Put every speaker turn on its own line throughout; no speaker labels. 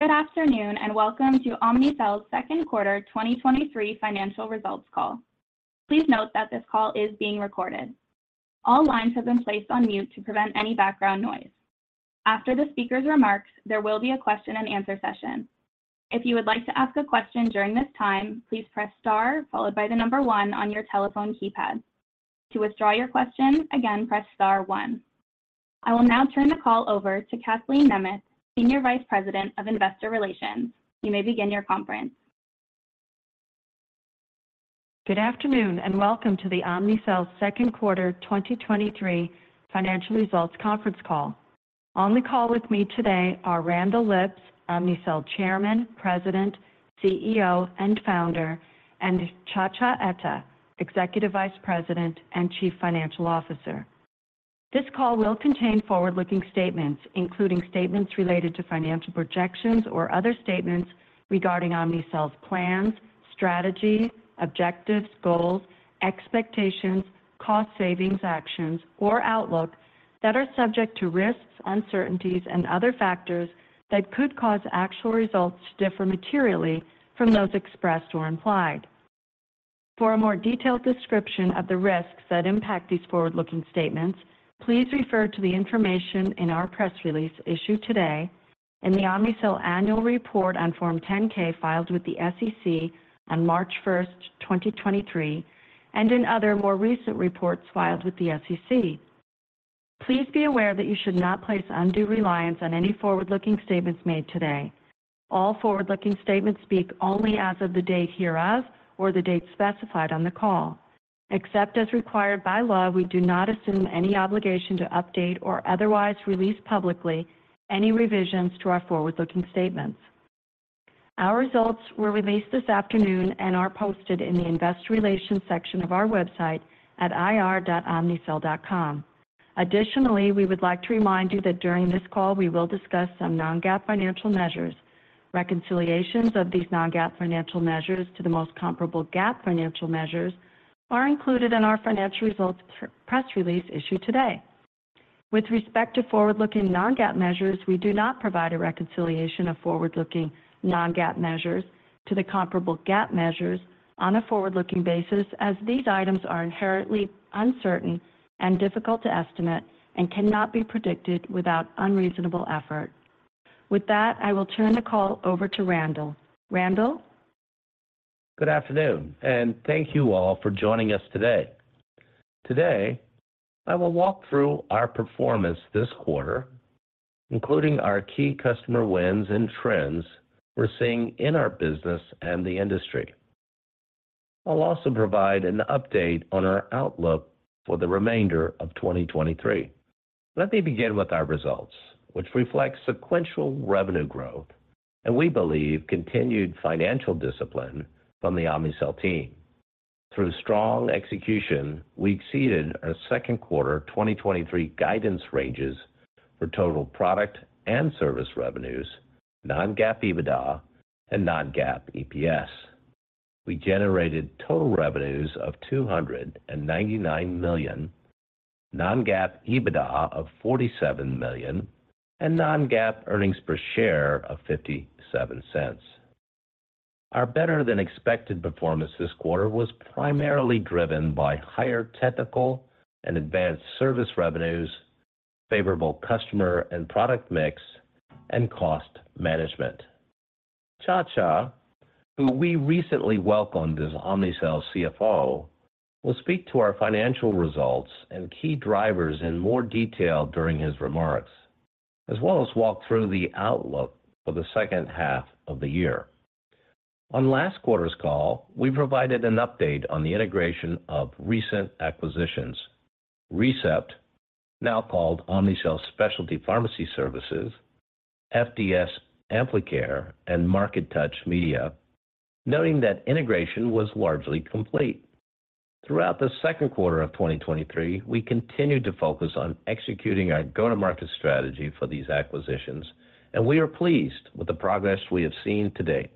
Good afternoon, and welcome to Omnicell's second quarter 2023 financial results call. Please note that this call is being recorded. All lines have been placed on mute to prevent any background noise. After the speaker's remarks, there will be a Q&A session. If you would like to ask a question during this time, please press star followed by the number one on your telephone keypad. To withdraw your question, again, press star one. I will now turn the call over to Kathleen Nemeth, Senior Vice President of Investor Relations. You may begin your conference.
Good afternoon, and welcome to the Omnicell's second quarter 2023 financial results conference call. On the call with me today are Randall Lipps, Omnicell Chairman, President, CEO, and Founder, and Nchacha Etta, Executive Vice President and Chief Financial Officer. This call will contain forward-looking statements, including statements related to financial projections or other statements regarding Omnicell's plans, strategy, objectives, goals, expectations, cost savings, actions, or outlook that are subject to risks, uncertainties, and other factors that could cause actual results to differ materially from those expressed or implied. For a more detailed description of the risks that impact these forward-looking statements, please refer to the information in our press release issued today in the Omnicell Annual Report on Form 10-K, filed with the SEC on March 1st, 2023, and in other more recent reports filed with the SEC. Please be aware that you should not place undue reliance on any forward-looking statements made today. All forward-looking statements speak only as of the date hereof or the date specified on the call. Except as required by law, we do not assume any obligation to update or otherwise release publicly any revisions to our forward-looking statements. Our results were released this afternoon and are posted in the investor relations section of our website at ir.omnicell.com. Additionally, we would like to remind you that during this call, we will discuss some non-GAAP financial measures. Reconciliations of these non-GAAP financial measures to the most comparable GAAP financial measures are included in our financial results press release issued today. With respect to forward-looking non-GAAP measures, we do not provide a reconciliation of forward-looking non-GAAP measures to the comparable GAAP measures on a forward-looking basis, as these items are inherently uncertain and difficult to estimate and cannot be predicted without unreasonable effort. With that, I will turn the call over to Randall. Randall?
Good afternoon. Thank you all for joining us today. Today, I will walk through our performance this quarter, including our key customer wins and trends we're seeing in our business and the industry. I'll also provide an update on our outlook for the remainder of 2023. Let me begin with our results, which reflect sequential revenue growth and we believe continued financial discipline from the Omnicell team. Through strong execution, we exceeded our second quarter 2023 guidance ranges for total product and service revenues, non-GAAP EBITDA, and non-GAAP EPS. We generated total revenues of $299 million, non-GAAP EBITDA of $47 million, and non-GAAP earnings per share of $0.57. Our better-than-expected performance this quarter was primarily driven by higher Technical and Advanced Services revenues, favorable customer and product mix, and cost management. Nchacha, who we recently welcomed as Omnicell's CFO, will speak to our financial results and key drivers in more detail during his remarks, as well as walk through the outlook for the second half of the year. On last quarter's call, we provided an update on the integration of recent acquisitions. ReCept, now called Omnicell Specialty Pharmacy Services, FDS Amplicare, and MarkeTouch Media, noting that integration was largely complete. Throughout the second quarter of 2023, we continued to focus on executing our go-to-market strategy for these acquisitions. We are pleased with the progress we have seen to date.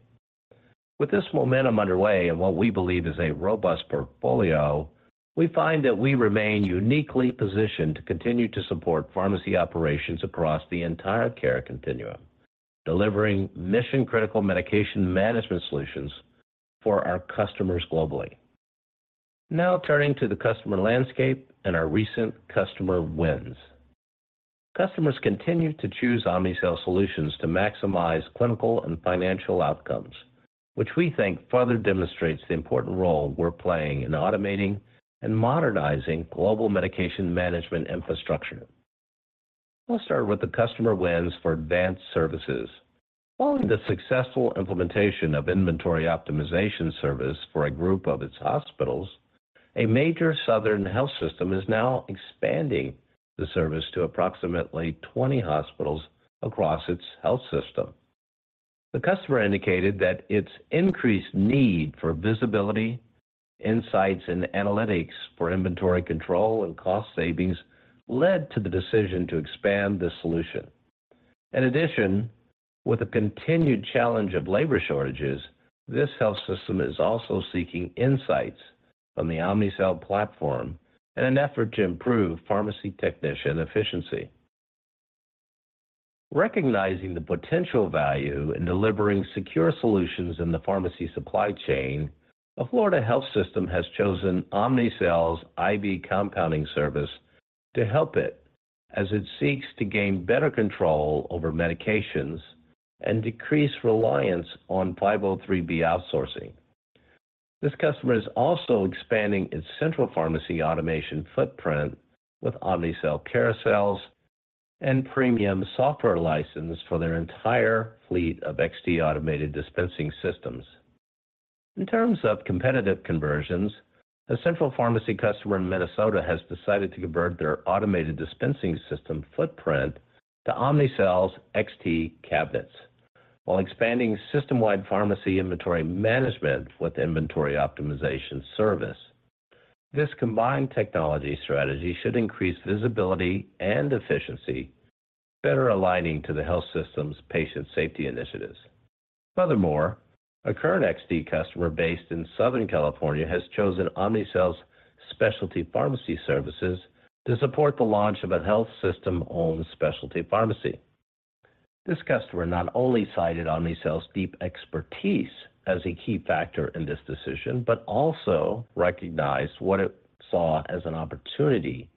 With this momentum underway and what we believe is a robust portfolio, we find that we remain uniquely positioned to continue to support pharmacy operations across the entire care continuum, delivering mission-critical medication management solutions for our customers globally. Turning to the customer landscape and our recent customer wins. Customers continue to choose Omnicell solutions to maximize clinical and financial outcomes, which we think further demonstrates the important role we're playing in automating and modernizing global medication management infrastructure. I'll start with the customer wins for Advanced Services. Following the successful implementation of Inventory Optimization Service for a group of its hospitals, a major southern health system is now expanding the service to approximately 20 hospitals across its health system. The customer indicated that its increased need for visibility, insights, and analytics for inventory control and cost savings led to the decision to expand this solution. In addition, with the continued challenge of labor shortages, this health system is also seeking insights on the Omnicell platform in an effort to improve pharmacy technician efficiency. Recognizing the potential value in delivering secure solutions in the pharmacy supply chain, a Florida health system has chosen Omnicell's IV Compounding Service to help it as it seeks to gain better control over medications and decrease reliance on 503B outsourcing. This customer is also expanding its central pharmacy automation footprint with Omnicell Carousels and premium software license for their entire fleet of XD Automated Dispensing Systems. In terms of competitive conversions, a central pharmacy customer in Minnesota has decided to convert their Automated Dispensing System footprint to Omnicell's XT Cabinets, while expanding system-wide pharmacy inventory management with Inventory Optimization Service. This combined technology strategy should increase visibility and efficiency, better aligning to the health system's patient safety initiatives. Furthermore, a current XD customer based in Southern California has chosen Omnicell's Specialty Pharmacy Services to support the launch of a health system-owned specialty pharmacy. This customer not only cited Omnicell's deep expertise as a key factor in this decision, but also recognized what it saw as an opportunity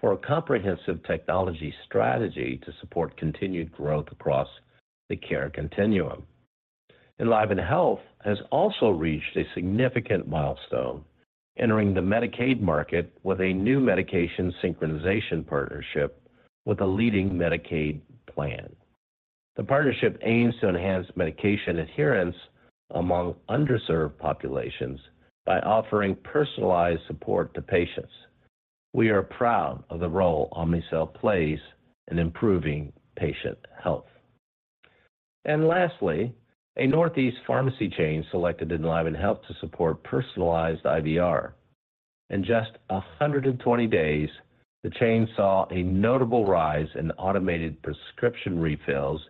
for a comprehensive technology strategy to support continued growth across the care continuum. EnlivenHealth has also reached a significant milestone, entering the Medicaid market with a new medication synchronization partnership with a leading Medicaid plan. The partnership aims to enhance medication adherence among underserved populations by offering personalized support to patients. We are proud of the role Omnicell plays in improving patient health. Lastly, a Northeast pharmacy chain selected EnlivenHealth to support personalized IVR. In just 120 days, the chain saw a notable rise in automated prescription refills,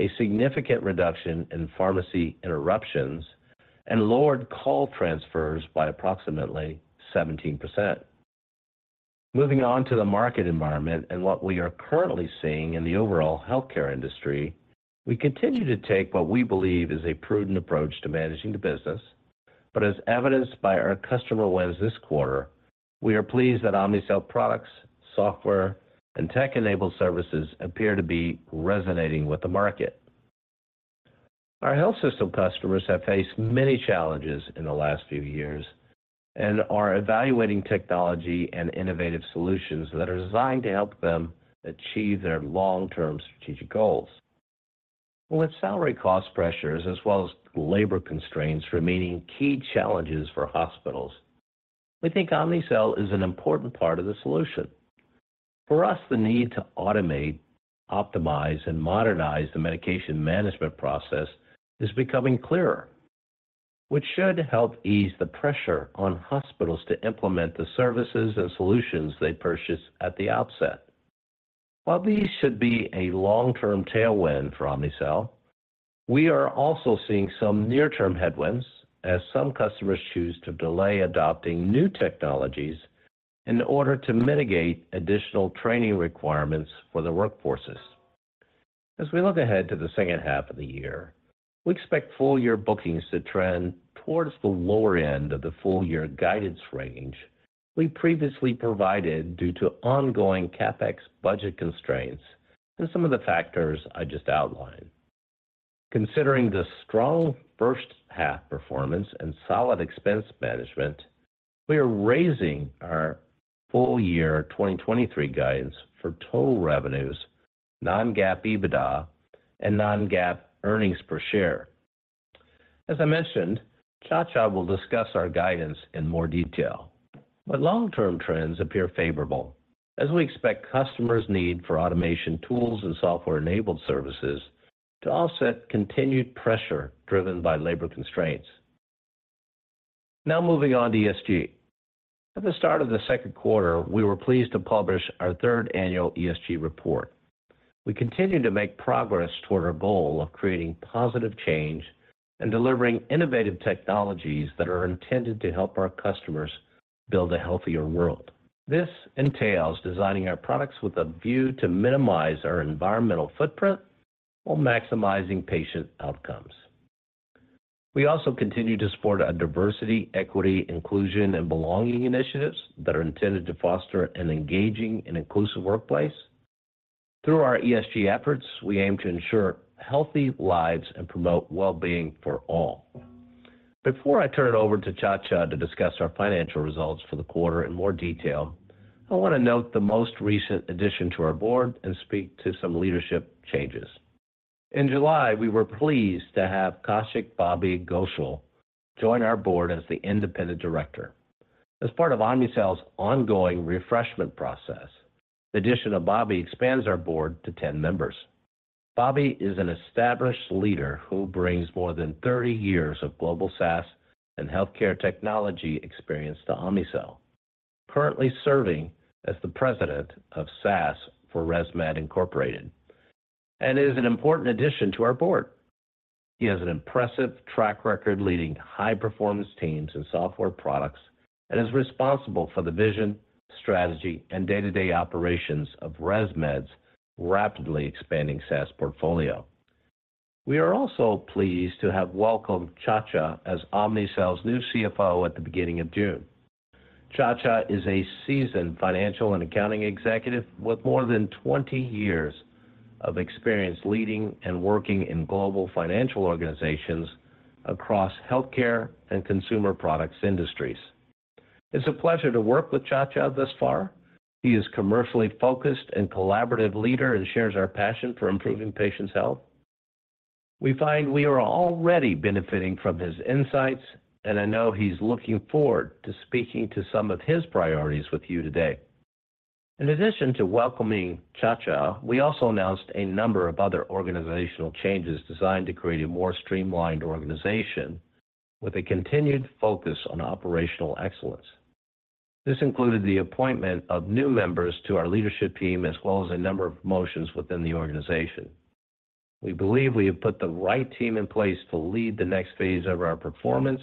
a significant reduction in pharmacy interruptions, and lowered call transfers by approximately 17%. Moving on to the market environment and what we are currently seeing in the overall healthcare industry, we continue to take what we believe is a prudent approach to managing the business, but as evidenced by our customer wins this quarter, we are pleased that Omnicell products, software, and tech-enabled services appear to be resonating with the market. Our health system customers have faced many challenges in the last few years and are evaluating technology and innovative solutions that are designed to help them achieve their long-term strategic goals. With salary cost pressures as well as labor constraints remaining key challenges for hospitals, we think Omnicell is an important part of the solution. For us, the need to automate, optimize, and modernize the medication management process is becoming clearer, which should help ease the pressure on hospitals to implement the services and solutions they purchase at the outset. While these should be a long-term tailwind for Omnicell, we are also seeing some near-term headwinds as some customers choose to delay adopting new technologies in order to mitigate additional training requirements for their workforces. As we look ahead to the second half of the year, we expect full year bookings to trend towards the lower end of the full year guidance range we previously provided due to ongoing CapEx budget constraints and some of the factors I just outlined. Considering the strong first half performance and solid expense management, we are raising our full year 2023 guidance for total revenues, non-GAAP EBITDA, and non-GAAP earnings per share. As I mentioned, Nchacha will discuss our guidance in more detail. Long-term trends appear favorable as we expect customers' need for automation tools and software-enabled services to offset continued pressure driven by labor constraints. Now moving on to ESG. At the start of the second quarter, we were pleased to publish our third annual ESG report. We continue to make progress toward our goal of creating positive change and delivering innovative technologies that are intended to help our customers build a healthier world. This entails designing our products with a view to minimize our environmental footprint while maximizing patient outcomes. We also continue to support our diversity, equity, inclusion, and belonging initiatives that are intended to foster an engaging and inclusive workplace. Through our ESG efforts, we aim to ensure healthy lives and promote well-being for all. Before I turn it over to Nchacha to discuss our financial results for the quarter in more detail, I want to note the most recent addition to our board and speak to some leadership changes. In July, we were pleased to have Kaushik "Bobby" Ghoshal join our board as the independent director. As part of Omnicell's ongoing refreshment process, the addition of Bobby expands our board to 10 members. Bobby is an established leader who brings more than 30 years of global SaaS and healthcare technology experience to Omnicell, currently serving as the President of SaaS for ResMed Incorporated, and is an important addition to our board. He has an impressive track record leading high-performance teams and software products, and is responsible for the vision, strategy, and day-to-day operations of ResMed's rapidly expanding SaaS portfolio. We are also pleased to have welcomed Nchacha as Omnicell's new CFO at the beginning of June. Nchacha is a seasoned financial and accounting executive with more than 20 years of experience leading and working in global financial organizations across healthcare and consumer products industries. It's a pleasure to work with Nchacha thus far. He is commercially focused and collaborative leader, and shares our passion for improving patients' health. We find we are already benefiting from his insights, and I know he's looking forward to speaking to some of his priorities with you today. In addition to welcoming Nchacha, we also announced a number of other organizational changes designed to create a more streamlined organization with a continued focus on operational excellence. This included the appointment of new members to our leadership team, as well as a number of promotions within the organization. We believe we have put the right team in place to lead the next phase of our performance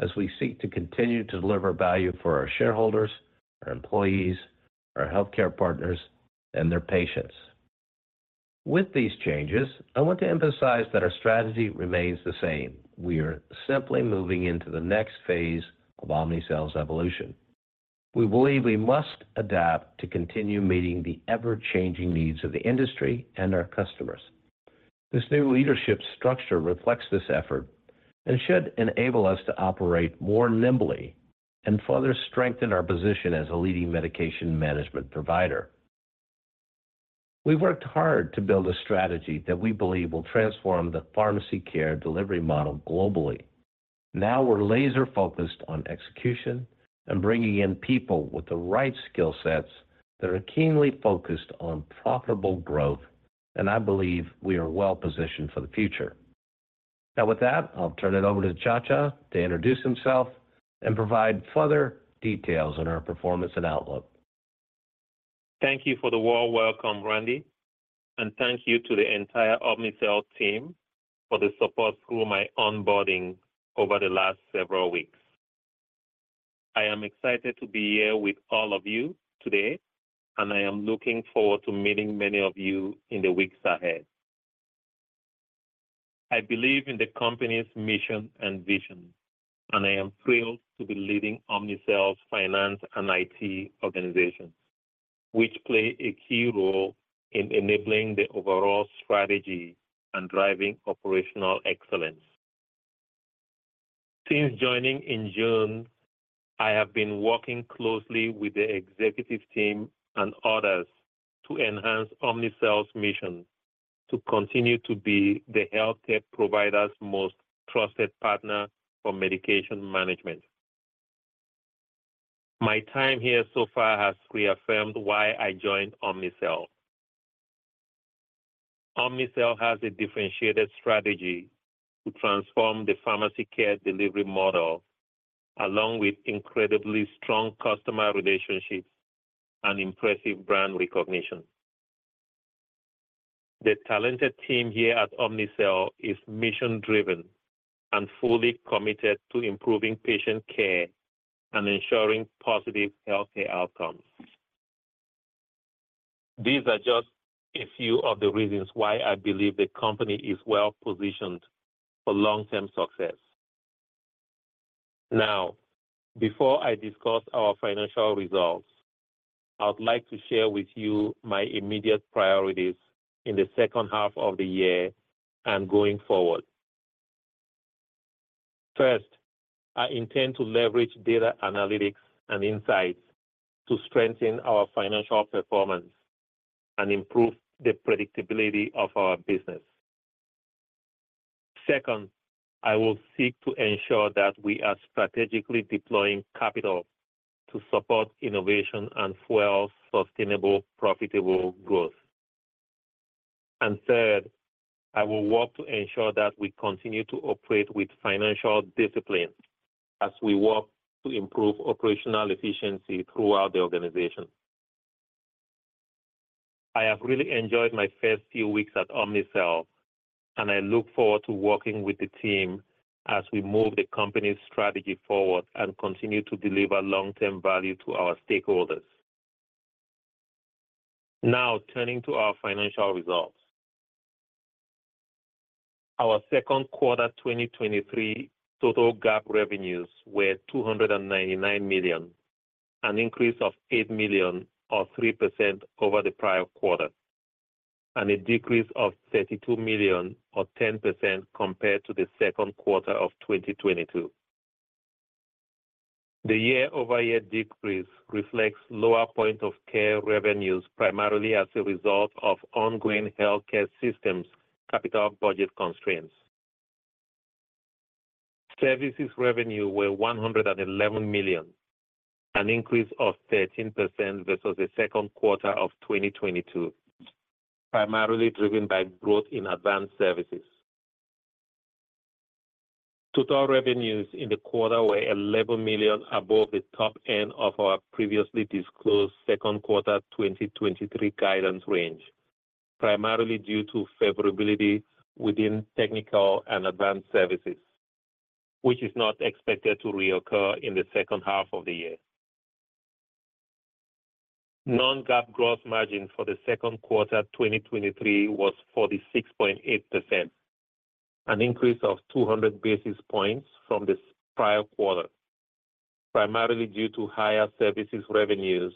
as we seek to continue to deliver value for our shareholders, our employees, our healthcare partners, and their patients. With these changes, I want to emphasize that our strategy remains the same. We are simply moving into the next phase of Omnicell's evolution. We believe we must adapt to continue meeting the ever-changing needs of the industry and our customers. This new leadership structure reflects this effort and should enable us to operate more nimbly and further strengthen our position as a leading medication management provider. We've worked hard to build a strategy that we believe will transform the pharmacy care delivery model globally. We're laser-focused on execution and bringing in people with the right skill sets that are keenly focused on profitable growth, and I believe we are well positioned for the future. With that, I'll turn it over to Nchacha to introduce himself and provide further details on our performance and outlook.
Thank you for the warm welcome, Randy. Thank you to the entire Omnicell team for the support through my onboarding over the last several weeks. I am excited to be here with all of you today. I am looking forward to meeting many of you in the weeks ahead. I believe in the company's mission and vision. I am thrilled to be leading Omnicell's Finance and IT organization, which play a key role in enabling the overall strategy and driving operational excellence. Since joining in June, I have been working closely with the executive team and others to enhance Omnicell's mission to continue to be the healthcare provider's most trusted partner for medication management. My time here so far has reaffirmed why I joined Omnicell. Omnicell has a differentiated strategy to transform the pharmacy care delivery model, along with incredibly strong customer relationships and impressive brand recognition. The talented team here at Omnicell is mission-driven and fully committed to improving patient care and ensuring positive healthcare outcomes. These are just a few of the reasons why I believe the company is well positioned for long-term success. Now, before I discuss our financial results, I would like to share with you my immediate priorities in the second half of the year and going forward. First, I intend to leverage data analytics and insights to strengthen our financial performance and improve the predictability of our business. Second, I will seek to ensure that we are strategically deploying capital to support innovation and fuel sustainable, profitable growth. Third, I will work to ensure that we continue to operate with financial discipline as we work to improve operational efficiency throughout the organization. I have really enjoyed my first few weeks at Omnicell. I look forward to working with the team as we move the company's strategy forward and continue to deliver long-term value to our stakeholders. Turning to our financial results. Our second quarter 2023 total GAAP revenues were $299 million, an increase of $8 million or 3% over the prior quarter, a decrease of $32 million or 10% compared to the second quarter of 2022. The year-over-year decrease reflects lower point of care revenues, primarily as a result of ongoing healthcare systems' capital budget constraints. Services revenue were $111 million, an increase of 13% versus the second quarter of 2022, primarily driven by growth in Advanced Services. Total revenues in the quarter were $11 million above the top end of our previously disclosed second quarter 2023 guidance range, primarily due to favorability within Technical Services and Advanced Services, which is not expected to reoccur in the second half of the year. non-GAAP gross margin for the second quarter 2023 was 46.8%, an increase of 200 basis points from the prior quarter, primarily due to higher services revenues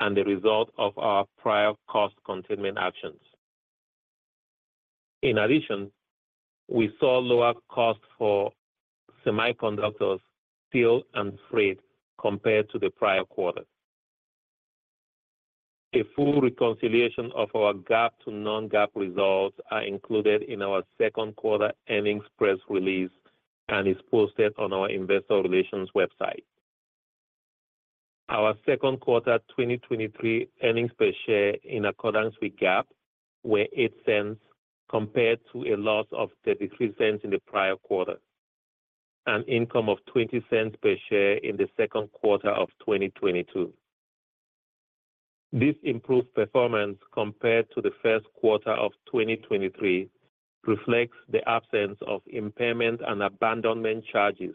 and the result of our prior cost containment actions. We saw lower costs for semiconductors, steel, and freight compared to the prior quarter. A full reconciliation of our GAAP to non-GAAP results are included in our second quarter earnings press release and is posted on our investor relations website. Our second quarter 2023 earnings per share in accordance with GAAP, were $0.08 compared to a loss of $0.33 in the prior quarter, and income of $0.20 per share in the second quarter of 2022. This improved performance compared to the first quarter of 2023, reflects the absence of impairment and abandonment charges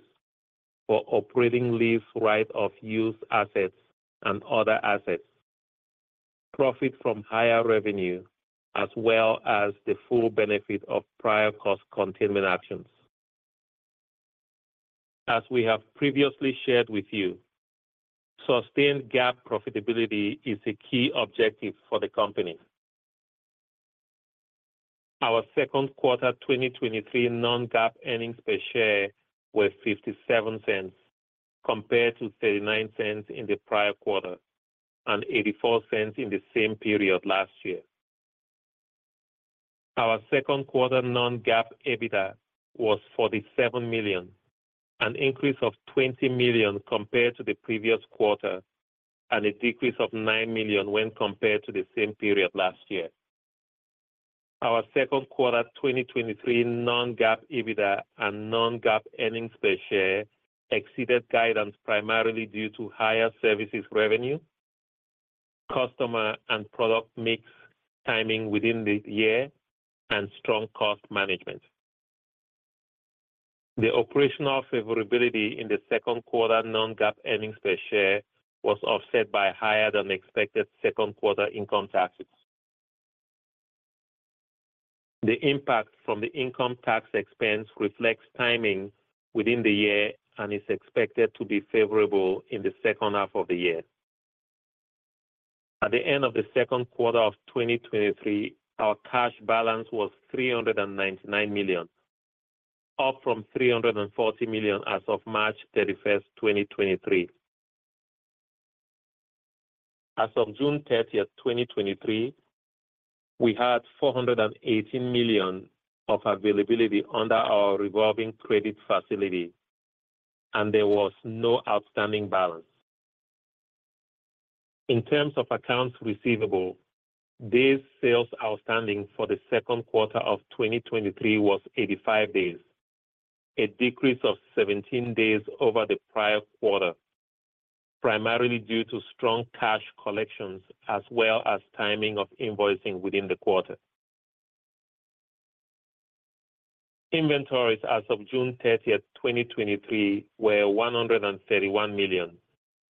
for operating lease, right-of-use assets, and other assets, profit from higher revenue, as well as the full benefit of prior cost containment actions. As we have previously shared with you, sustained GAAP profitability is a key objective for the company. Our second quarter 2023 non-GAAP earnings per share were $0.57, compared to $0.39 in the prior quarter and $0.84 in the same period last year. Our second quarter non-GAAP EBITDA was $47 million, an increase of $20 million compared to the previous quarter, and a decrease of $9 million when compared to the same period last year. Our second quarter 2023 non-GAAP EBITDA and non-GAAP earnings per share exceeded guidance, primarily due to higher services revenue, customer and product mix timing within the year, and strong cost management. The operational favorability in the second quarter non-GAAP earnings per share was offset by higher-than-expected second quarter income taxes. The impact from the income tax expense reflects timing within the year, and is expected to be favorable in the second half of the year. At the end of the second quarter of 2023, our cash balance was $399 million, up from $340 million as of March 31st, 2023. As of June 30, 2023, we had $418 million of availability under our revolving credit facility, and there was no outstanding balance. In terms of accounts receivable, days sales outstanding for the second quarter of 2023 was 85 days, a decrease of 17 days over the prior quarter, primarily due to strong cash collections, as well as timing of invoicing within the quarter. Inventories as of June 30th, 2023, were $131 million,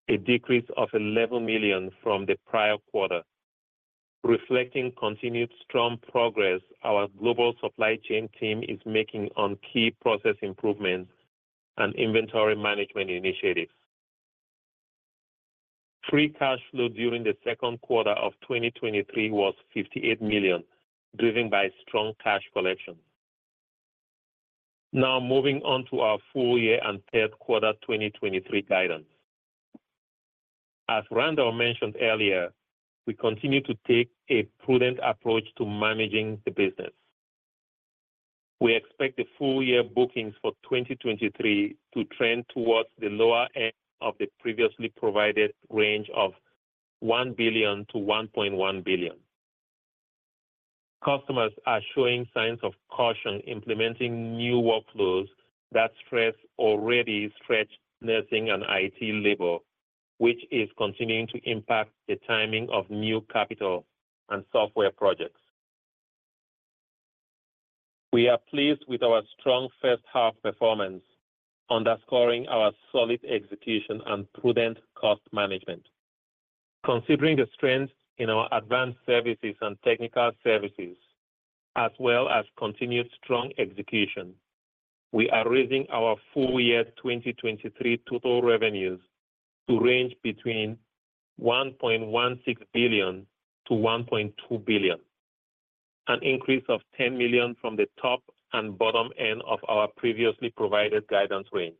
a decrease of $11 million from the prior quarter. Reflecting continued strong progress our global supply chain team is making on key process improvements and inventory management initiatives. Free cash flow during the second quarter of 2023 was $58 million, driven by strong cash collection. Now, moving on to our full year and third quarter 2023 guidance. As Randall mentioned earlier, we continue to take a prudent approach to managing the business. We expect the full year bookings for 2023 to trend towards the lower end of the previously provided range of $1 billion-$1.1 billion. Customers are showing signs of caution, implementing new workflows that stress already stretched nursing and IT labor, which is continuing to impact the timing of new capital and software projects. We are pleased with our strong first half performance, underscoring our solid execution and prudent cost management. Considering the strength in our Advanced Services and Technical Services, as well as continued strong execution, we are raising our full year 2023 total revenues to range between $1.16 billion-$1.2 billion, an increase of $10 million from the top and bottom end of our previously provided guidance range.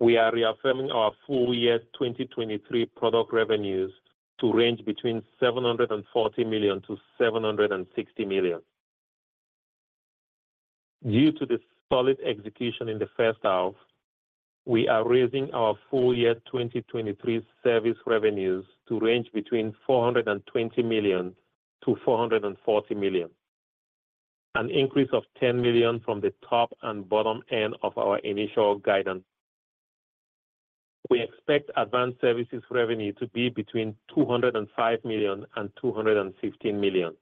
We are reaffirming our full year 2023 product revenues to range between $740 million-$760 million. Due to the solid execution in the first half. We are raising our full year 2023 service revenues to range between $420 million-$440 million, an increase of $10 million from the top and bottom end of our initial guidance. We expect Advanced Services revenue to be between $205 million and $215 million,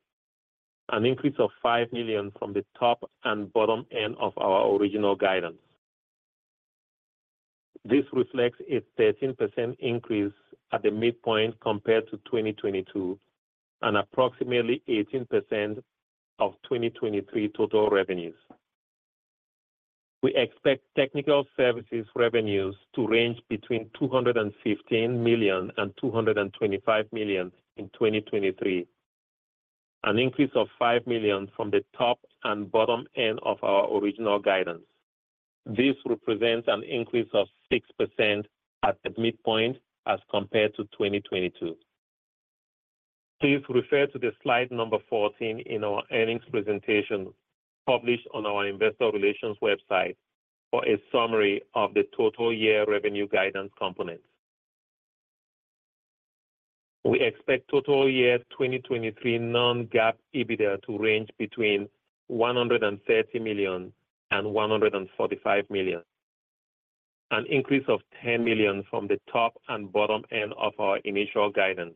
an increase of $5 million from the top and bottom end of our original guidance. This reflects a 13% increase at the midpoint compared to 2022, and approximately 18% of 2023 total revenues. We expect Technical Services revenues to range between $215 million and $225 million in 2023, an increase of $5 million from the top and bottom end of our original guidance. This represents an increase of 6% at the midpoint as compared to 2022. Please refer to the slide number 14 in our earnings presentation, published on our investor relations website, for a summary of the total year revenue guidance components. We expect total year 2023 non-GAAP EBITDA to range between $130 million and $145 million, an increase of $10 million from the top and bottom end of our initial guidance,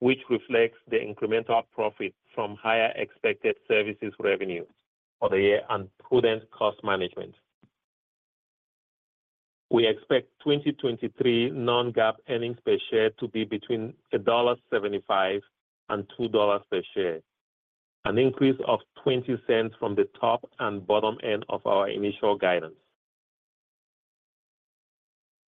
which reflects the incremental profit from higher expected services revenues for the year and prudent cost management. We expect 2023 non-GAAP earnings per share to be between $1.75 and $2.00 per share, an increase of $0.20 from the top and bottom end of our initial guidance.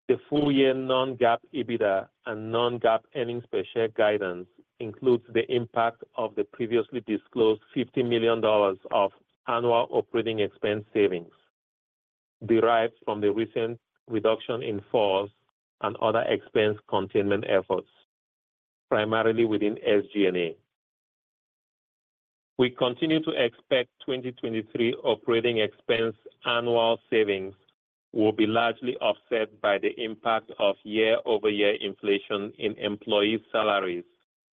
The full year non-GAAP EBITDA and non-GAAP earnings per share guidance includes the impact of the previously disclosed $50 million of annual operating expense savings, derived from the recent reduction in force and other expense containment efforts, primarily within SG&A. We continue to expect 2023 operating expense annual savings will be largely offset by the impact of year-over-year inflation in employee salaries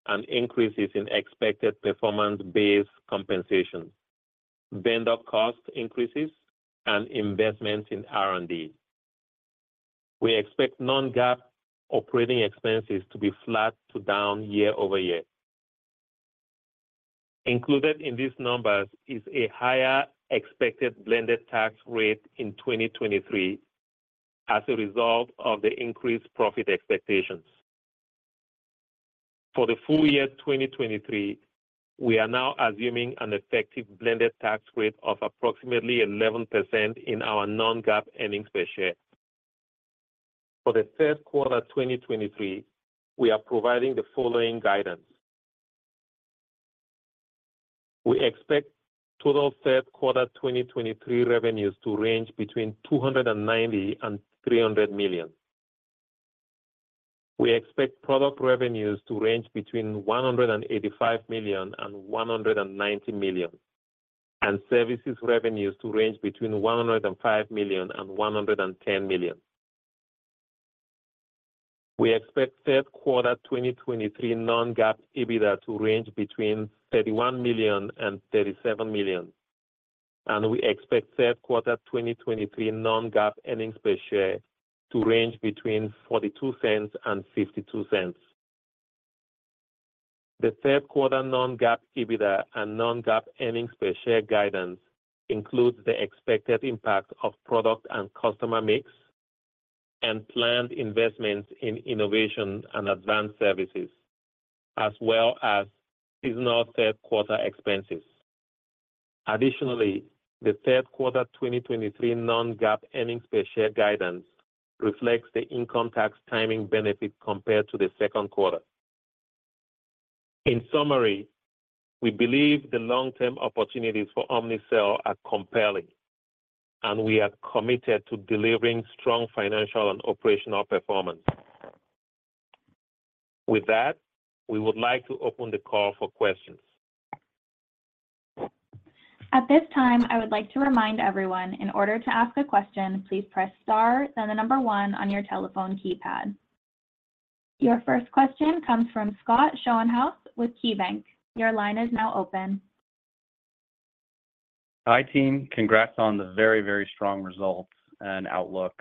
and increases in expected performance-based compensation, vendor cost increases, and investment in R&D. We expect non-GAAP operating expenses to be flat to down year-over-year. Included in these numbers is a higher expected blended tax rate in 2023 as a result of the increased profit expectations. For the full year 2023, we are now assuming an effective blended tax rate of approximately 11% in our non-GAAP earnings per share. For the third quarter 2023, we are providing the following guidance: We expect total third quarter 2023 revenues to range between $290 million and $300 million. We expect product revenues to range between $185 million and $190 million, and services revenues to range between $105 million and $110 million. We expect third quarter 2023 non-GAAP EBITDA to range between $31 million and $37 million, and we expect third quarter 2023 non-GAAP earnings per share to range between $0.42 and $0.52. The third quarter non-GAAP EBITDA and non-GAAP earnings per share guidance includes the expected impact of product and customer mix and planned investments in innovation and Advanced Services, as well as seasonal third quarter expenses. Additionally, the third quarter 2023 non-GAAP earnings per share guidance reflects the income tax timing benefit compared to the second quarter. In summary, we believe the long-term opportunities for Omnicell are compelling, and we are committed to delivering strong financial and operational performance. With that, we would like to open the call for questions.
At this time, I would like to remind everyone, in order to ask a question, please press star, then the number one on your telephone keypad. Your first question comes from Scott Schoenhaus with KeyBanc. Your line is now open.
Hi, team. Congrats on the very, very strong results and outlook.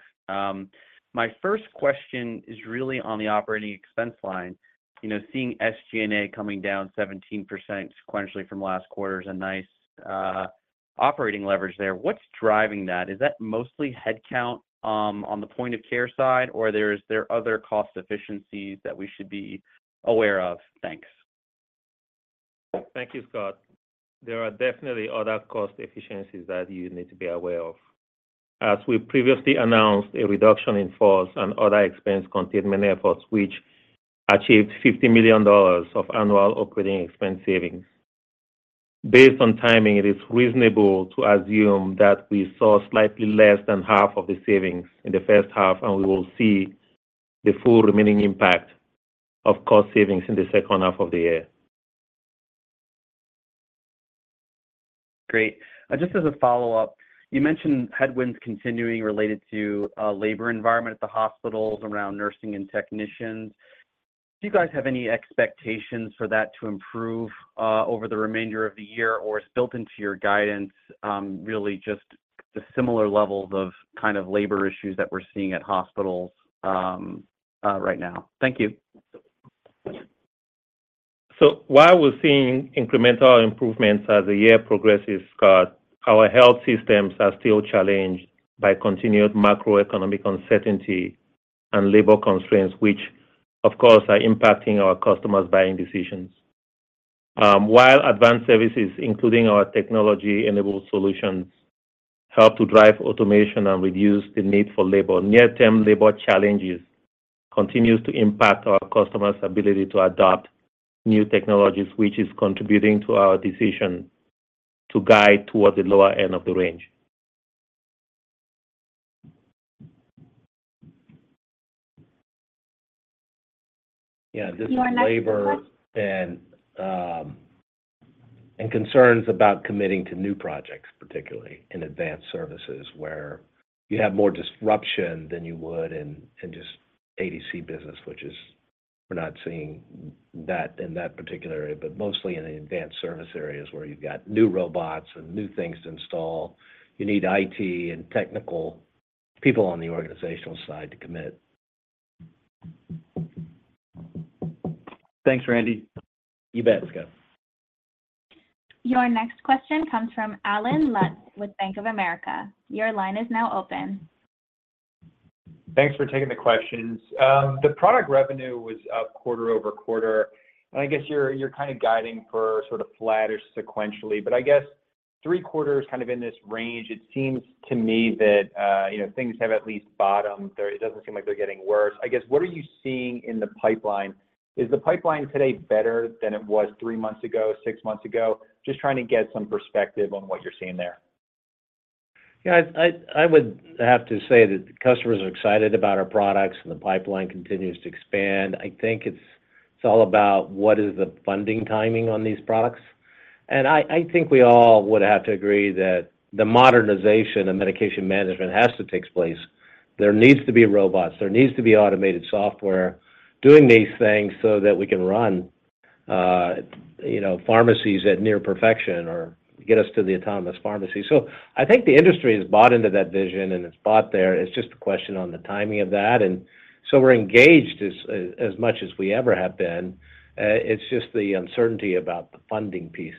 My first question is really on the operating expense line. You know, seeing SG&A coming down 17% sequentially from last quarter is a nice operating leverage there. What's driving that? Is that mostly headcount on the point of care side, or are there other cost efficiencies that we should be aware of? Thanks.
Thank you, Scott. There are definitely other cost efficiencies that you need to be aware of. As we previously announced, a reduction in force and other expense containment efforts, which achieved $50 million of annual operating expense savings. Based on timing, it is reasonable to assume that we saw slightly less than half of the savings in the first half, and we will see the full remaining impact of cost savings in the second half of the year.
Great. Just as a follow-up, you mentioned headwinds continuing related to labor environment at the hospitals around nursing and technicians. Do you guys have any expectations for that to improve over the remainder of the year, or is built into your guidance, really just the similar levels of kind of labor issues that we're seeing at hospitals right now? Thank you.
While we're seeing incremental improvements as the year progresses, Scott, our health systems are still challenged by continued macroeconomic uncertainty and labor constraints, which, of course, are impacting our customers' buying decisions. While Advanced Services, including our technology-enabled solutions, help to drive automation and reduce the need for labor, near-term labor challenges continue to impact our customers' ability to adopt new technologies, which is contributing to our decision to guide towards the lower end of the range.
Yeah, just labor-
Your next question-
concerns about committing to new projects, particularly in Advanced Services, where you have more disruption than you would in, in just ADC business, which is we're not seeing that in that particular area, but mostly in the Advanced Service areas where you've got new robots and new things to install. You need IT and technical people on the organizational side to commit.
Thanks, Randy.
You bet, Scott.
Your next question comes from Allen Lutz with Bank of America. Your line is now open.
Thanks for taking the questions. The product revenue was up quarter-over-quarter, and I guess you're, you're kind of guiding for sort of flatter sequentially. I guess three quarters kind of in this range, it seems to me that, you know, things have at least bottomed. It doesn't seem like they're getting worse. I guess, what are you seeing in the pipeline? Is the pipeline today better than it was three months ago, six months ago? Just trying to get some perspective on what you're seeing there.
Yeah, I, I, I would have to say that customers are excited about our products, and the pipeline continues to expand. I think it's, it's all about what is the funding timing on these products. I, I think we all would have to agree that the modernization of medication management has to takes place. There needs to be robots. There needs to be automated software doing these things so that we can run, you know, pharmacies at near perfection or get us to the autonomous pharmacy. I think the industry has bought into that vision, and it's bought there. It's just a question on the timing of that, and so we're engaged as, as much as we ever have been. It's just the uncertainty about the funding piece.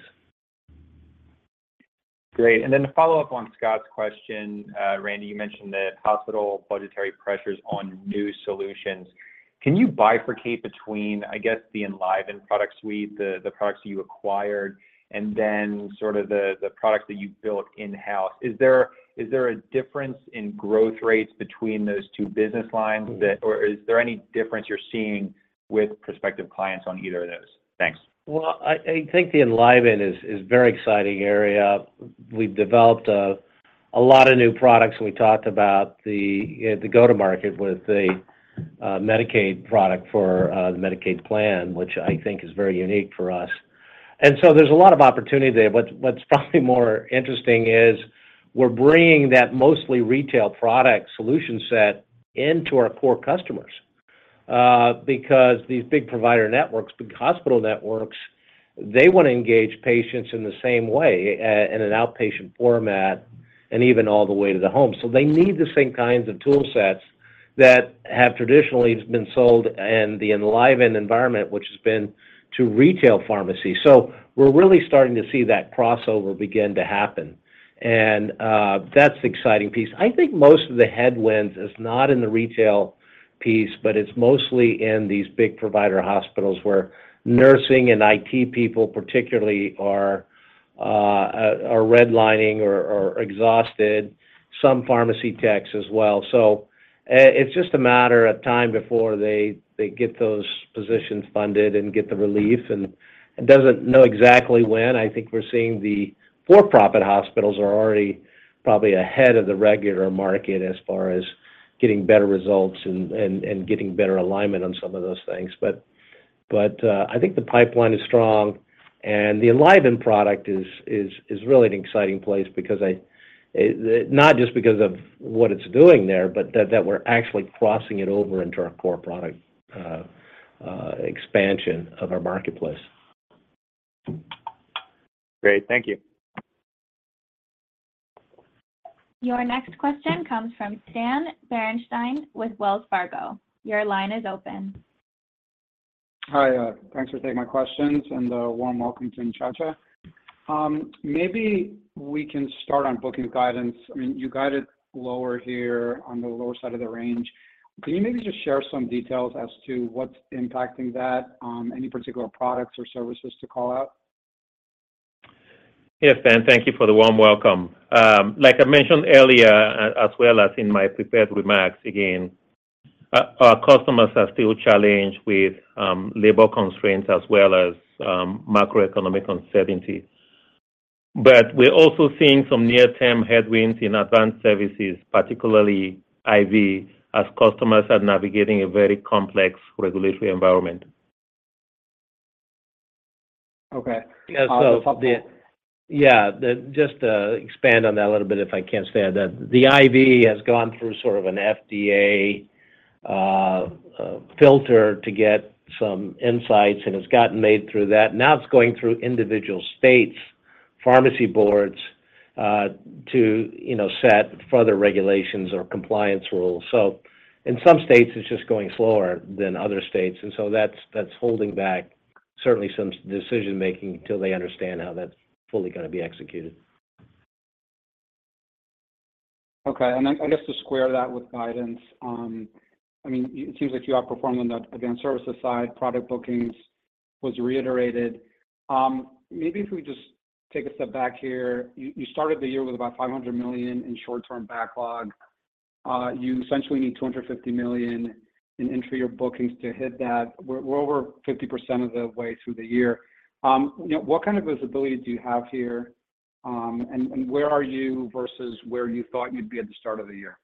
Great. And then to follow up on Scott's question, Randy, you mentioned the hospital budgetary pressures on new solutions. Can you bifurcate between, I guess, the EnlivenHealth product suite, the products you acquired, and then sort of the products that you built in-house? Is there a difference in growth rates between those two business lines or is there any difference you're seeing with prospective clients on either of those? Thanks.
Well, I, I think the EnlivenHealth is, is very exciting area. We've developed a, a lot of new products. We talked about the, the go-to-market with the Medicaid product for the Medicaid plan, which I think is very unique for us. There's a lot of opportunity there, but what's probably more interesting is we're bringing that mostly retail product solution set into our core customers, because these big provider networks, big hospital networks, they wanna engage patients in the same way, in an outpatient format and even all the way to the home. They need the same kinds of tool sets that have traditionally been sold in the EnlivenHealth environment, which has been to retail pharmacy. We're really starting to see that crossover begin to happen, and that's the exciting piece. I think most of the headwinds is not in the retail piece, but it's mostly in these big provider hospitals, where nursing and IT people particularly are, are, are redlining or, or exhausted, some pharmacy techs as well. It's just a matter of time before they, they get those positions funded and get the relief, and it doesn't know exactly when. I think we're seeing the for-profit hospitals are already probably ahead of the regular market as far as getting better results and, and, and getting better alignment on some of those things. But, I think the pipeline is strong, and the EnlivenHealth product is, is, is really an exciting place because I. Not just because of what it's doing there, but that, that we're actually crossing it over into our core product, expansion of our marketplace.
Great. Thank you.
Your next question comes from Stan Berenshteyn with Wells Fargo. Your line is open.
Hi, thanks for taking my questions, and a warm welcome to Nchacha. Maybe we can start on booking guidance. I mean, you got it lower here on the lower side of the range. Can you maybe just share some details as to what's impacting that? Any particular products or services to call out?
Yes, Dan, thank you for the warm welcome. like I mentioned earlier, as well as in my prepared remarks, again, our customers are still challenged with, labor constraints as well as, macroeconomic uncertainty. We're also seeing some near-term headwinds in Advanced Services, particularly IV, as customers are navigating a very complex regulatory environment.
Okay.
Yeah, so just to expand on that a little bit, if I can say that the IV has gone through sort of an FDA filter to get some insights, and it's gotten made through that. Now, it's going through individual states, pharmacy boards, to, you know, set further regulations or compliance rules. In some states, it's just going slower than other states, and so that's, that's holding back certainly some decision-making until they understand how that's fully gonna be executed.
Okay, I guess to square that with guidance, I mean, it seems like you are performing on the Advanced Services side, product bookings was reiterated. Maybe if we just take a step back here, you, you started the year with about $500 million in short-term backlog. You essentially need $250 million in entry your bookings to hit that. We're, we're over 50% of the way through the year. You know, what kind of visibility do you have here, and, and where are you versus where you thought you'd be at the start of the year?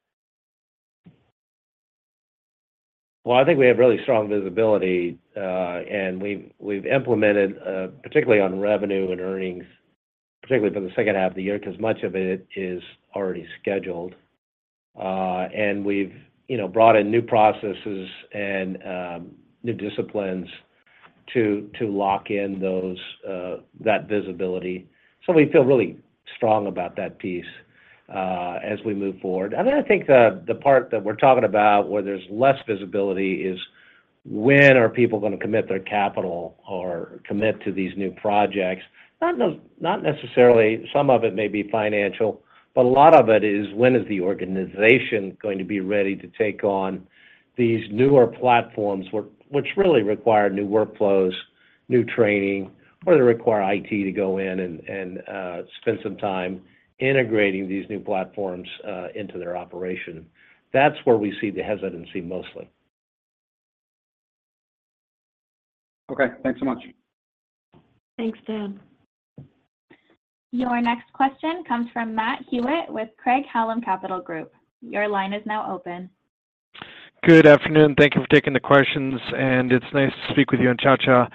Well, I think we have really strong visibility, and we've, we've implemented, particularly on revenue and earnings, particularly for the second half of the year, 'cause much of it is already scheduled. We've, you know, brought in new processes and new disciplines to, to lock in those, that visibility. We feel really strong about that piece, as we move forward. I think the, the part that we're talking about, where there's less visibility is when are people gonna commit their capital or commit to these new projects? Not necessarily, some of it may be financial, but a lot of it is when is the organization going to be ready to take on these newer platforms, which really require new workflows, new training, or they require IT to go in and spend some time integrating these new platforms into their operation. That's where we see the hesitancy mostly.
Okay, thanks so much.
Thanks, Dan. Your next question comes from Matt Hewitt with Craig-Hallum Capital Group. Your line is now open.
Good afternoon. Thank you for taking the questions, and it's nice to speak with you and Nchacha.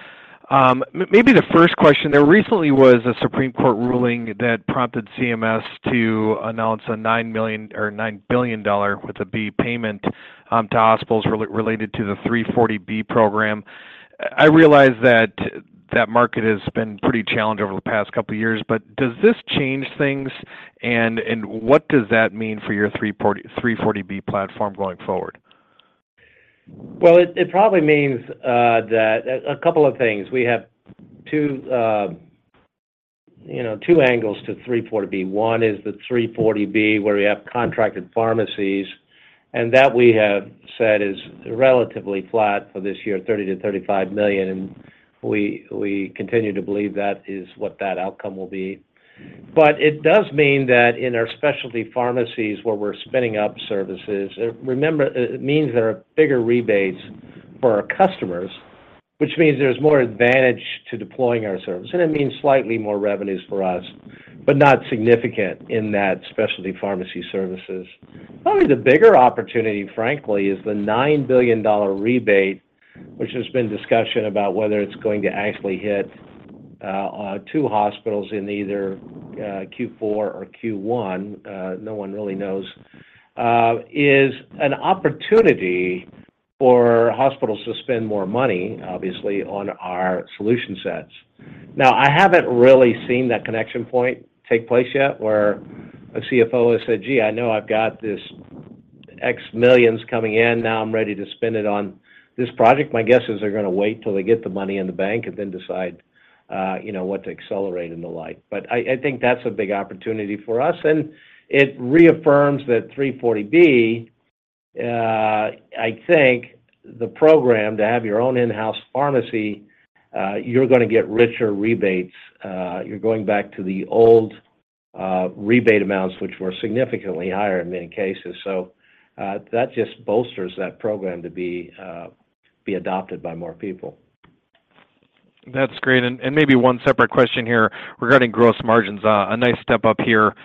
Maybe the first question: there recently was a Supreme Court ruling that prompted CMS to announce a $9 million or $9 billion, with a B, payment to hospitals related to the 340B Program. I realize that that market has been pretty challenged over the past couple of years, but does this change things, and what does that mean for your 340B, 340B platform going forward?
Well, it, it probably means that. A couple of things. We have two, you know, two angles to 340B. One is the 340B, where we have contracted pharmacies, and that we have said is relatively flat for this year, $30 million-$35 million, and we, we continue to believe that is what that outcome will be. It does mean that in our specialty pharmacies, where we're spinning up services, remember, it, it means there are bigger rebates for our customers, which means there's more advantage to deploying our services, and it means slightly more revenues for us, but not significant in that Specialty Pharmacy Services. Probably the bigger opportunity, frankly, is the $9 billion rebate, which there's been discussion about whether it's going to actually hit two hospitals in either Q4 or Q1, no one really knows, is an opportunity for hospitals to spend more money, obviously, on our solution sets. Now, I haven't really seen that connection point take place yet, where a CFO has said, "Gee, I know I've got this X millions coming in, now I'm ready to spend it on this project." My guess is they're gonna wait till they get the money in the bank and then decide, you know, what to accelerate and the like. I, I think that's a big opportunity for us, and it reaffirms that 340B, I think the program to have your own in-house pharmacy, you're gonna get richer rebates. You're going back to the old rebate amounts, which were significantly higher in many cases. That just bolsters that program to be adopted by more people.
That's great, and, and maybe one separate question here regarding gross margins. A nice step up here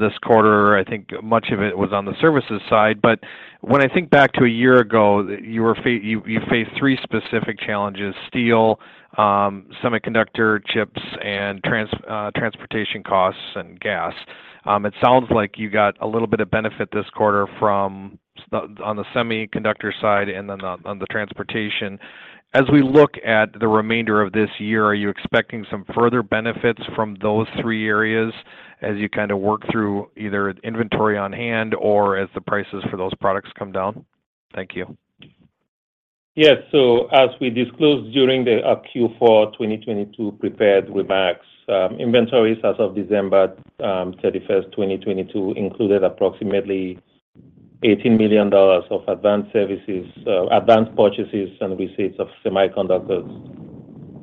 this quarter. I think much of it was on the services side, but when I think back to a year ago, you, you faced three specific challenges: steel, semiconductor, chips, and trans, transportation costs and gas. It sounds like you got a little bit of benefit this quarter from the on the semiconductor side and then on, on the transportation. As we look at the remainder of this year, are you expecting some further benefits from those three areas as you kind of work through either inventory on hand or as the prices for those products come down? Thank you.
Yes. As we disclosed during the Q4 2022 prepared remarks, inventories as of December 31st, 2022 included approximately $18 million of Advanced Services, advanced purchases, and receipts of semiconductors.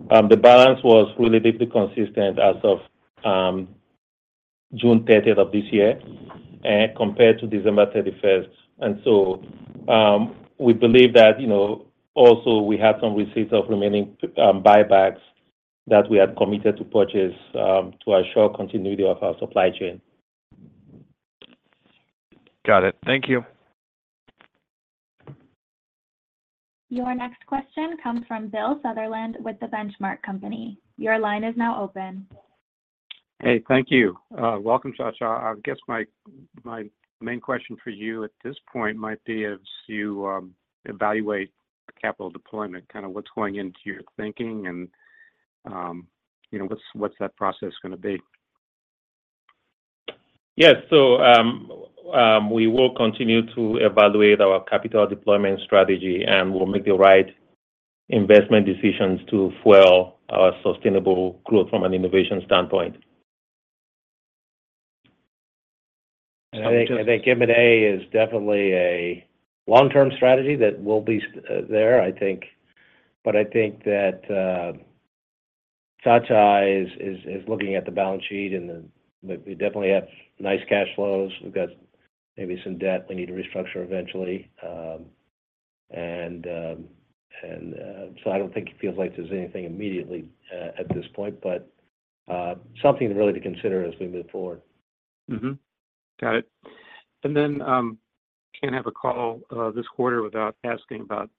The balance was relatively consistent as of June 30th of this year, compared to December 31st. We believe that, you know, also we have some receipts of remaining buybacks that we had committed to purchase, to ensure continuity of our supply chain.
Got it. Thank you.
Your next question comes from Bill Sutherland with The Benchmark Company. Your line is now open.
Hey, thank you. Welcome, Nchacha. I guess my, my main question for you at this point might be, as you evaluate capital deployment, kind of what's going into your thinking and, you know, what's, what's that process gonna be?
Yes. We will continue to evaluate our capital deployment strategy, and we'll make the right investment decisions to fuel our sustainable growth from an innovation standpoint.
I think, I think M&A is definitely a long-term strategy that will be s- there, I think. I think that Sacha is, is, is looking at the balance sheet, and then we, we definitely have nice cash flows. We've got maybe some debt we need to restructure eventually. I don't think he feels like there's anything immediately at this point, but something really to consider as we move forward.
Mm-hmm. Got it. Can't have a call this quarter without asking about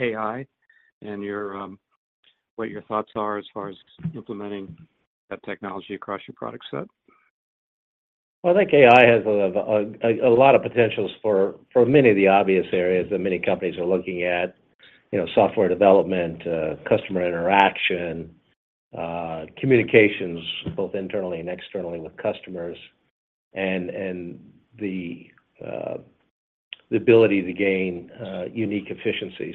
AI and your, what your thoughts are as far as implementing that technology across your product set.
Well, I think AI has a lot of potentials for, for many of the obvious areas that many companies are looking at. You know, software development, customer interaction, communications, both internally and externally with customers, and, and the ability to gain unique efficiency.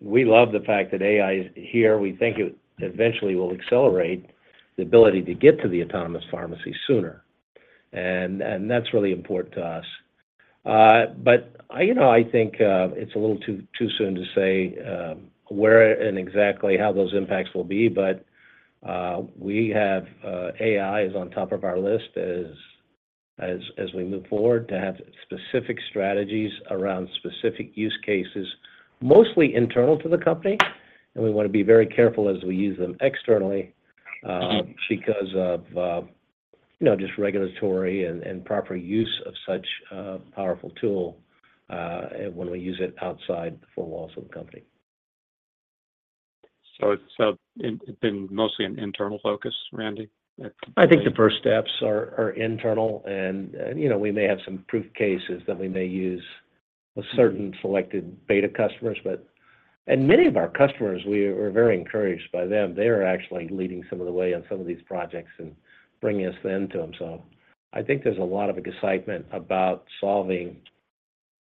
We love the fact that AI is here. We think it eventually will accelerate the ability to get to the autonomous pharmacy sooner, and, and that's really important to us. You know, I think, it's a little too, too soon to say, where and exactly how those impacts will be, but, we have, AI is on top of our list as, as, as we move forward to have specific strategies around specific use cases, mostly internal to the company, and we wanna be very careful as we use them externally.
Mm-hmm...
because of, you know, just regulatory and, and proper use of such a powerful tool, when we use it outside the four walls of the company.
it, it's been mostly an internal focus, Randy?
I think the first steps are, are internal, and, and, you know, we may have some proof cases that we may use-
Mm-hmm....
with certain selected beta customers. Many of our customers, we are very encouraged by them. They are actually leading some of the way on some of these projects and bringing us in to them. I think there's a lot of excitement about solving,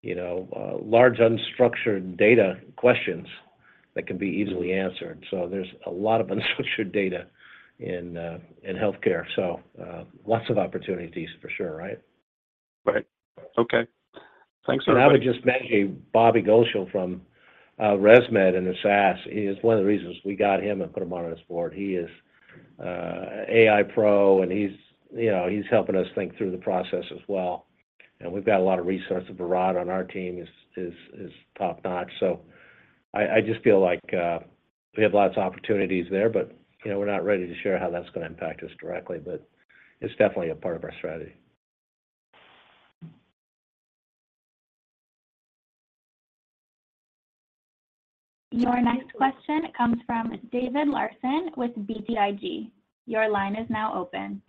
you know, large, unstructured data questions that can be easily answered. There's a lot of unstructured data in healthcare. Lots of opportunities for sure, right?
Right. Okay. Thanks very much.
I would just mention Bobby Ghoshal from ResMed and SaaS, he is one of the reasons we got him and put him on this board. He is AI pro, and he's, you know, he's helping us think through the process as well, and we've got a lot of resources. Varad on our team is top-notch. I, I just feel like we have lots of opportunities there, but, you know, we're not ready to share how that's gonna impact us directly, but it's definitely a part of our strategy.
Your next question comes from David Larsen with BTIG. Your line is now open.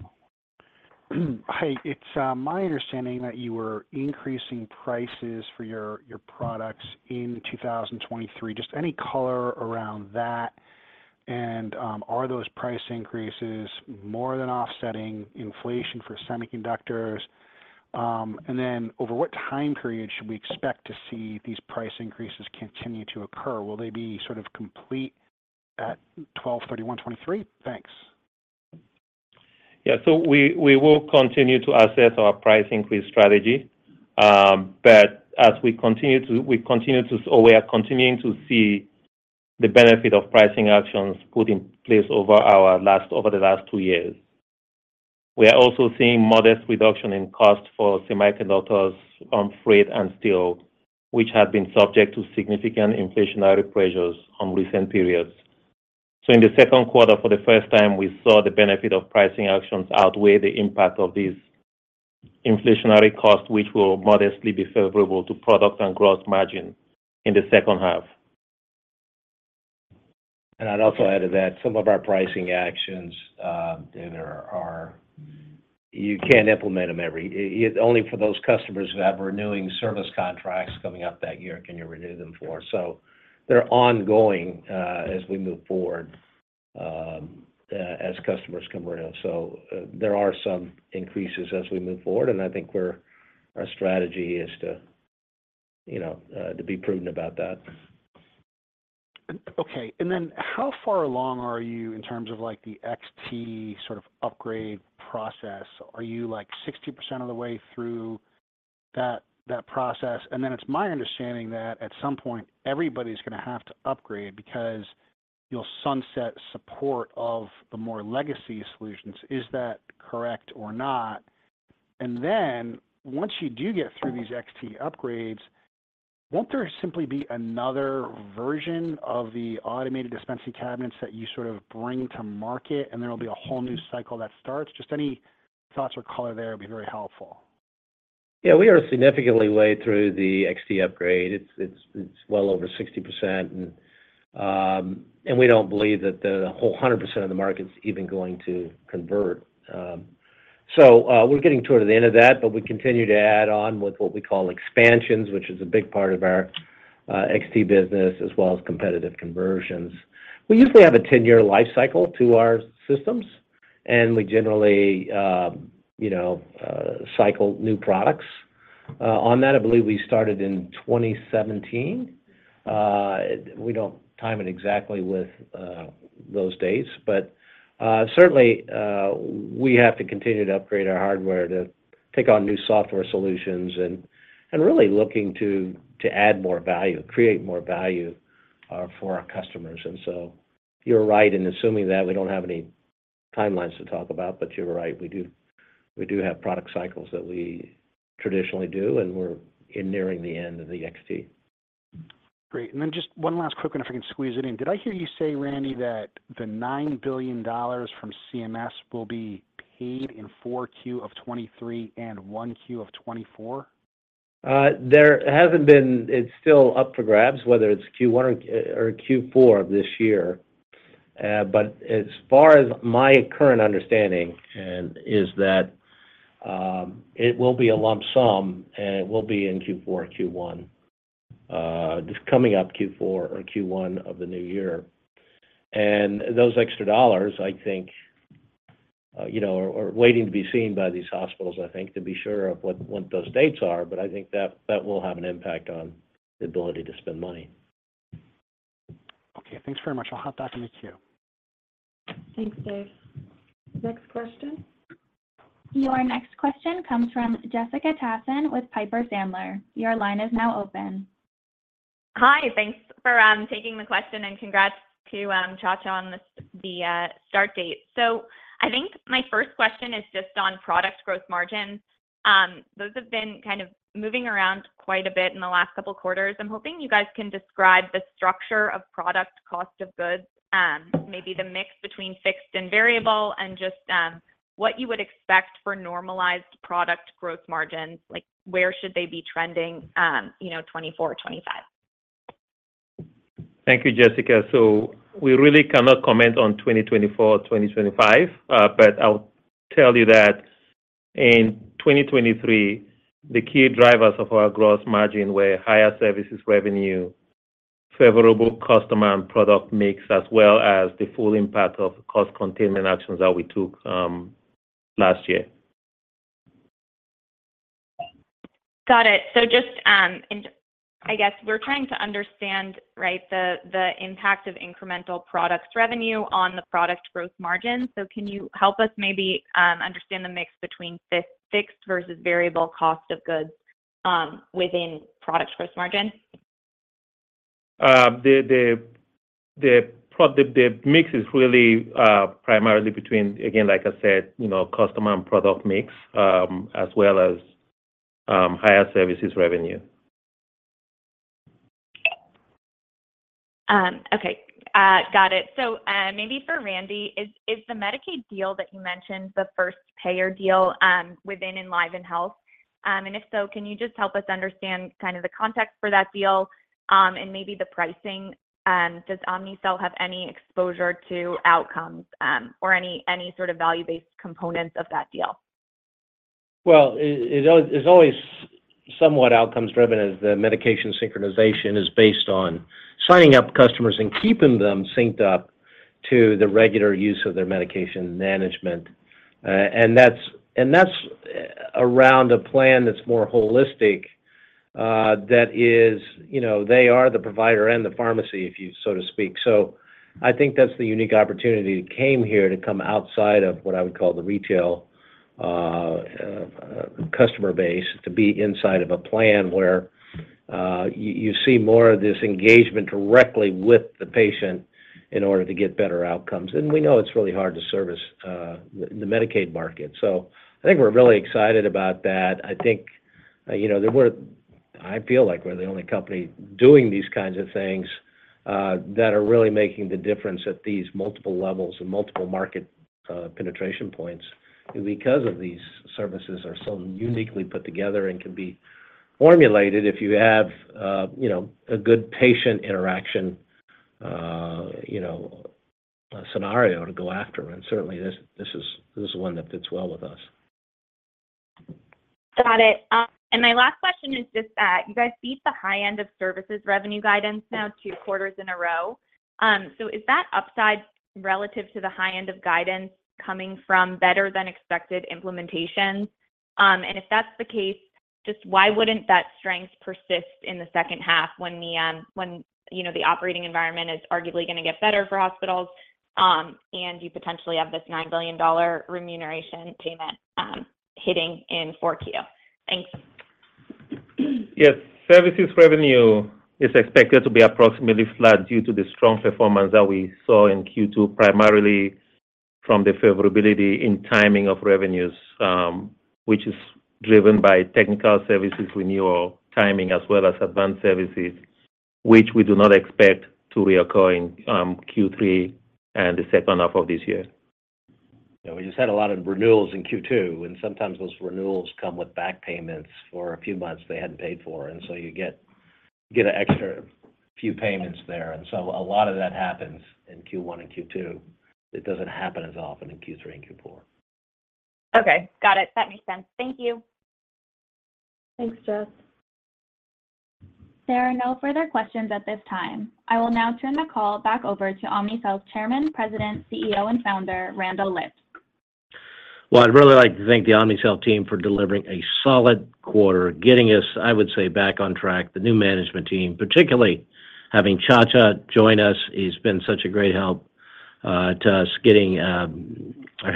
Hi. It's my understanding that you were increasing prices for your, your products in 2023. Just any color around that, are those price increases more than offsetting inflation for semiconductors? Over what time period should we expect to see these price increases continue to occur? Will they be sort of complete at 12/31/2023? Thanks.
Yeah. We, we will continue to assess our price increase strategy. As we are continuing to see the benefit of pricing actions put in place over the last two years. We are also seeing modest reduction in cost for semiconductors on freight and steel, which have been subject to significant inflationary pressures on recent periods. In the second quarter, for the first time, we saw the benefit of pricing actions outweigh the impact of these inflationary costs, which will modestly be favorable to product and growth margin in the second half.
I'd also add to that, some of our pricing actions, there are. You can't implement them only for those customers who have renewing service contracts coming up that year, can you renew them for. They're ongoing, as we move forward, as customers come around. There are some increases as we move forward, and I think our strategy is to, you know, to be prudent about that.
Okay. Then how far along are you in terms of, like, the XT sort of upgrade process? Are you, like, 60% of the way through that, that process? Then it's my understanding that at some point, everybody's gonna have to upgrade because you'll sunset support of the more legacy solutions. Is that correct or not? Then, once you do get through these XT upgrades... Won't there simply be another version of the automated dispensing cabinets that you sort of bring to market, and there will be a whole new cycle that starts? Just any thoughts or color there would be very helpful.
Yeah, we are significantly way through the XT upgrade. It's, it's, it's well over 60%, and we don't believe that the whole 100% of the market is even going to convert. We're getting toward the end of that, but we continue to add on with what we call expansions, which is a big part of our XT business, as well as competitive conversions. We usually have a 10-year life cycle to our systems, and we generally, you know, cycle new products. On that, I believe we started in 2017. We don't time it exactly with those dates, but certainly, we have to continue to upgrade our hardware to take on new software solutions and, and really looking to, to add more value, create more value, for our customers. So you're right in assuming that we don't have any timelines to talk about, but you're right, we do, we do have product cycles that we traditionally do, and we're in nearing the end of the XT.
Great. Then just one last question, if I can squeeze it in. Did I hear you say, Randy, that the $9 billion from CMS will be paid in 4Q of 2023 and 1Q of 2024?
It's still up for grabs, whether it's Q1 or Q4 of this year. As far as my current understanding, is that it will be a lump sum, and it will be in Q4 or Q1, this coming up Q4 or Q1 of the new year. Those extra dollars, I think, you know, are, are waiting to be seen by these hospitals, I think, to be sure of what, what those dates are, but I think that that will have an impact on the ability to spend money.
Okay, thanks very much. I'll hop back in the queue.
Thanks, Dave. Next question.
Your next question comes from Jessica Tassan with Piper Sandler. Your line is now open.
Hi, thanks for taking the question, and congrats to Nchacha on the start date. I think my first question is just on product growth margins. Those have been kind of moving around quite a bit in the last couple of quarters. I'm hoping you guys can describe the structure of product cost of goods, maybe the mix between fixed and variable, and just what you would expect for normalized product growth margins. Like, where should they be trending, you know, 2024, 2025?
Thank you, Jessica. We really cannot comment on 2024, 2025, but I'll tell you that in 2023, the key drivers of our gross margin were higher services revenue, favorable customer and product mix, as well as the full impact of cost containment actions that we took last year.
Got it. Just, and I guess we're trying to understand, right, the, the impact of incremental products revenue on the product growth margin. Can you help us maybe understand the mix between fixed versus variable cost of goods within product growth margin?
The mix is really, primarily between, again, like I said, you know, customer and product mix, as well as, higher services revenue.
Okay, got it. Maybe for Randy, is, is the Medicaid deal that you mentioned, the first payer deal, within EnlivenHealth? If so, can you just help us understand kind of the context for that deal, and maybe the pricing, does Omnicell have any exposure to outcomes, or any, any sort of value-based components of that deal?
Well, it, it, it's always somewhat outcomes driven, as the medication synchronization is based on signing up customers and keeping them synced up to the regular use of their medication management. That's, and that's, around a plan that's more holistic, that is, you know, they are the provider and the pharmacy, if you so to speak. I think that's the unique opportunity that came here to come outside of what I would call the retail, customer base, to be inside of a plan where, you, you see more of this engagement directly with the patient in order to get better outcomes. We know it's really hard to service, the Medicaid market. I think we're really excited about that. I think, you know, there were... I feel like we're the only company doing these kinds of things, that are really making the difference at these multiple levels and multiple market penetration points, because of these services are so uniquely put together and can be formulated if you have, you know, a good patient interaction, you know, scenario to go after, and certainly, this, this is, this is one that fits well with us.
Got it. My last question is just that you guys beat the high end of services revenue guidance now two quarters in a row. Is that upside relative to the high end of guidance coming from better-than-expected implementations? If that's the case, just why wouldn't that strength persist in the second half when the, when, you know, the operating environment is arguably going to get better for hospitals, and you potentially have this $9 billion remuneration payment, hitting in 4Q? Thanks.
Yes. Services revenue is expected to be approximately flat due to the strong performance that we saw in Q2, primarily from the favorability in timing of revenues, which is driven by Technical Services renewal, timing, as well as Advanced Services, which we do not expect to reoccur in Q3 and the second half of this year.
We just had a lot of renewals in Q2, and sometimes those renewals come with back payments for a few months they hadn't paid for, and so you get, you get an extra few payments there. So a lot of that happens in Q1 and Q2. It doesn't happen as often in Q3 and Q4.
Okay, got it. That makes sense. Thank you.
Thanks, Jess. There are no further questions at this time. I will now turn the call back over to Omnicell's Chairman, President, CEO, and Founder, Randall Lipps.
Well, I'd really like to thank the Omnicell team for delivering a solid quarter, getting us, I would say, back on track, the new management team, particularly having Nchacha join us. He's been such a great help to us, getting our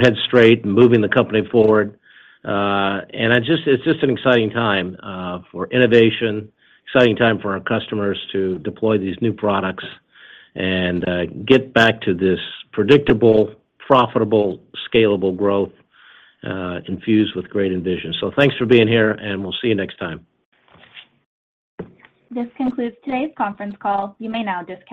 heads straight and moving the company forward. It's just an exciting time for innovation, exciting time for our customers to deploy these new products and get back to this predictable, profitable, scalable growth infused with great envision. Thanks for being here, and we'll see you next time.
This concludes today's conference call. You may now disconnect.